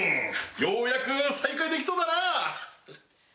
ようやく再開できそうだな！